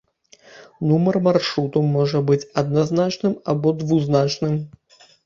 Нумар маршруту можа быць адназначным або двухзначным.